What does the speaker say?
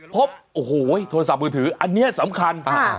พบโอ้โหเดี๋ยวโทรศัพท์มือถืออันเนี้ยสำคัญอ่ะ